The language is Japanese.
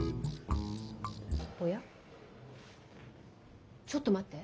おやちょっと待って。